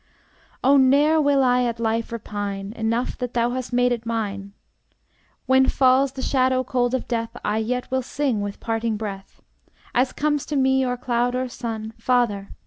Oh, ne'er will I at life repine, Enough that thou hast made it mine. When falls the shadow cold of death, I yet will sing with parting breath, As comes to me or cloud or sun, Father!